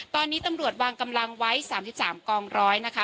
ตอนนี้ตำรวจวางกำลังไว้๓๓กองร้อยนะคะ